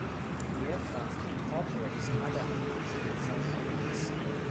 The aircraft incorporates other unusual design elements.